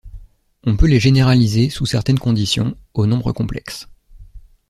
On peut les généraliser, sous certaines conditions, aux nombres complexes.